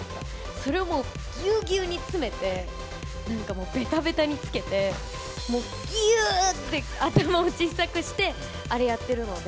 それをもうぎゅうぎゅうに詰めて、なんかもう、べたべたに付けて、もうぎゅーって頭を小さくして、あれやってるので。